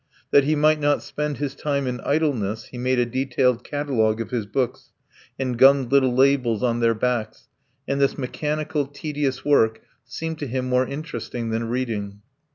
That he might not spend his time in idleness he made a detailed catalogue of his books and gummed little labels on their backs, and this mechanical, tedious work seemed to him more interesting than reading.